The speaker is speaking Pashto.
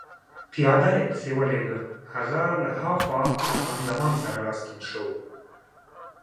پیاده يې پسې ولېږه، هغه له هاخوا له خان زمان سره راستون شو.